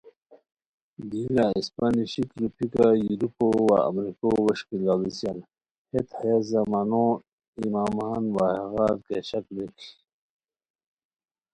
" دی لہ اسپہ نیشیک روپھیکا یورپو وا امریکو ووݰکی لاڑیسان ہیت ہیہ زمانو امامان وا، ہیغار کیہ شک شیر